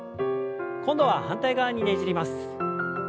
今度は反対側にねじります。